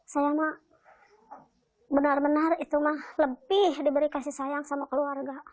saya mah benar benar itu mah lebih diberi kasih sayang sama keluarga